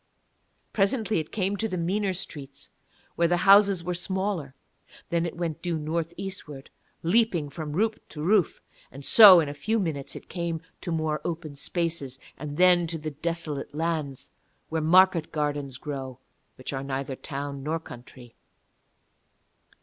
Presently it came to the meaner streets, where the houses are smaller. Then it went due north eastwards, leaping from roof to roof. And so in a few minutes it came to more open spaces, and then to the desolate lands, where market gardens grow, which are neither town nor country.